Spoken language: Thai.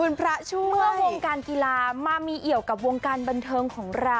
เมื่อวงการกีฬามามีเหี่ยวกับวงการบันเทิมของเรา